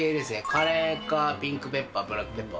カレーかピンクペッパー、ブラックペッパー。